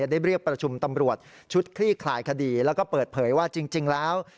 ได้เรียกประชุมตำรวจชุดคลี่คลายคดีแล้วก็เปิดเผยว่าจริงแล้ว